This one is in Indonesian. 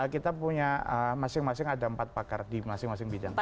kita punya masing masing ada empat pakar di masing masing bidang